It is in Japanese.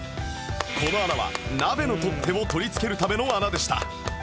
この穴は鍋の取っ手を取り付けるための穴でした